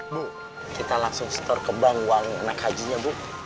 bu kita langsung store ke bank uang naik hajinya bu